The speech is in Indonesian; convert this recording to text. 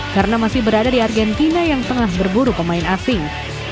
karena masih berada di argentina yang tengah berburu pemain asing